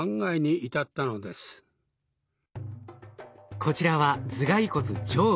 こちらは頭蓋骨上部。